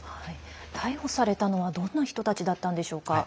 逮捕されたのはどんな人たちだったんでしょうか。